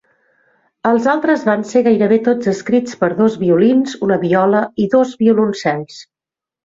Els altres van ser gairebé tots escrits per dos violins, una viola i dos violoncels.